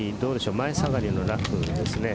前下がりのラフですね。